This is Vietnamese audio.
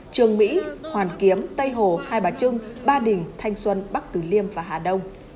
trường mỹ hoàn kiếm tây hồ hai bà trưng ba đình thanh xuân bắc tử liêm và hà đông